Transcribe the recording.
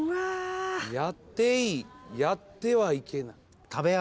やっていいやってはいけない。